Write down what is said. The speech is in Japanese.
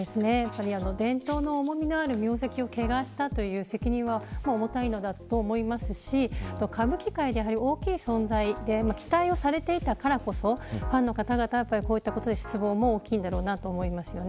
伝統の重みのある名跡を汚したという責任が重たいのだと思いますし歌舞伎界でも大きい存在で期待されていたからこそファンの方々の失望も大きいと思います。